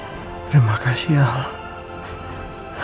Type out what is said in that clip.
terima kasih alhamdulillah